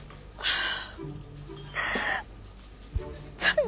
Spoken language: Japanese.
ああ。